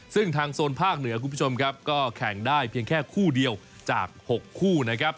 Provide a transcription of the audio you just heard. ซึ่งทางโซนภาคเหนือคุณผู้ชมครับก็แข่งได้เพียงแค่คู่เดียวจาก๖คู่นะครับ